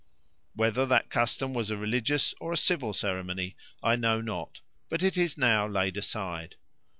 Whether that custom was a religious or a civil ceremony, I know not, but it is now laid aside.